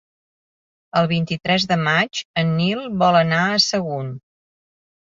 El vint-i-tres de maig en Nil vol anar a Sagunt.